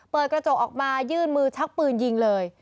เปิดกระจกออกมายื่นมือชักปืนยิงเลย